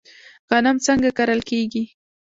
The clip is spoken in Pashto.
غنم څنګه کرل کیږي؟